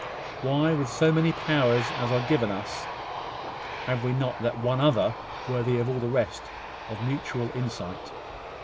Why, with so many powers as are given us, have we not that one other, worth all the rest, of mutual insight?